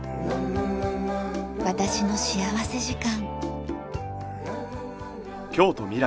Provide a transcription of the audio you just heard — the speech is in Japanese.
『私の幸福時間』。